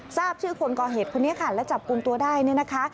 ทราบชื่อคนก่อเหตุคนนี้ค่ะและจับกลุ่มตัวได้เนี่ยนะคะ